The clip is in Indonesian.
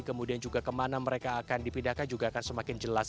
kemudian juga kemana mereka akan dipindahkan juga akan semakin jelas